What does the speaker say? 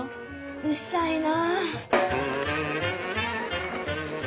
うっさいな。